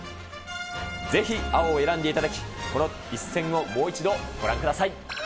ぜひ青を選んでいただき、この一戦をもう一度ご覧ください。